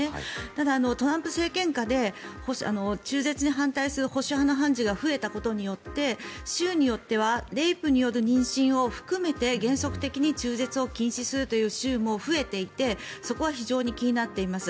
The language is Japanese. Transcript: ただ、トランプ政権下で中絶に反対する保守派の判事が増えたことによって州によってはレイプによる妊娠を含めて原則的に中絶を禁止するという州も増えていてそこは非常に気になっています。